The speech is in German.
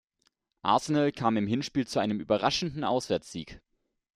Arsenal kam im Hinspiel zu einem überraschenden Auswärtssieg.